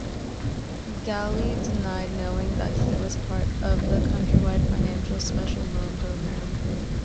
Gallegly denied knowing that he was part of Countrywide Financial's special loan program.